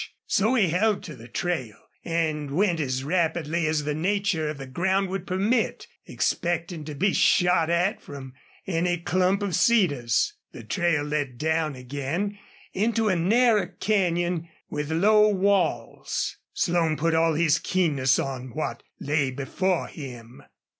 So he held to the trail and went as rapidly as the nature of the ground would permit, expecting to be shot at from any clump of cedars. The trail led down again into a narrow canyon with low walls. Slone put all his keenness on what lay before him.